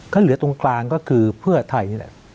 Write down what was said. ก็เหลือตรงกลางก็คือเพื่อไทยนี่แหละ